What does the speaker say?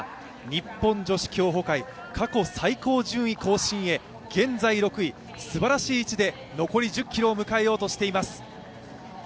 日本女子競歩界過去最高順位更新へ、現在６位、すばらしい位置で残り６ｋｍを迎えようとしています。